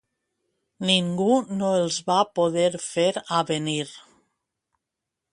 Ningú no els va poder fer avenir.